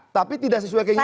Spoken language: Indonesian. tapi tidak sesuai keinginan